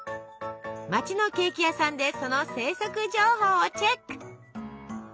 街のケーキ屋さんでその生息情報をチェック！